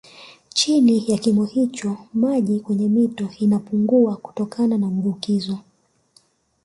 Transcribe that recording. Chini ya kimo hicho maji kwenye mito inapungua kutokana na mvukizo